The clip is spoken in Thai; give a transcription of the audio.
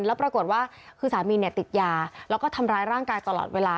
แล้วปรากฏว่าคือสามีเนี่ยติดยาแล้วก็ทำร้ายร่างกายตลอดเวลา